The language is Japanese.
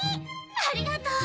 ありがとう。